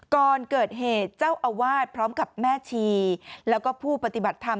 ก่อนเกิดเหตุเจ้าอาวาสพร้อมกับแม่ชีแล้วก็ผู้ปฏิบัติธรรม